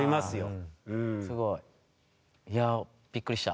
すごい。いやびっくりした。